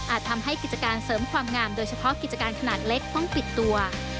ทำให้กิจการเสริมความงามโดยเฉพาะกิจการขนาดเล็กต้องปิดตัว